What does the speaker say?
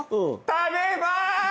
食べます！